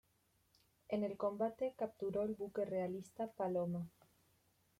En el combate capturó el buque realista "Paloma".